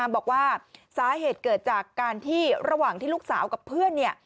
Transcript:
บอกว่าสาเหตุเกิดจากการที่ระหว่างที่ลูกสาวกับเพื่อน